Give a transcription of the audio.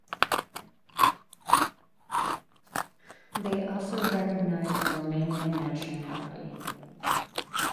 They also recognized the Romanian nationality.